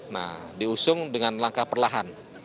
nah diusung dengan langkah perlahan